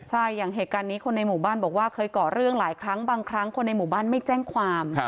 ใช่อย่างเหตุการณ์นี้คนในหมู่บ้านบอกว่าเคยก่อเรื่องหลายครั้งบางครั้งคนในหมู่บ้านไม่แจ้งความ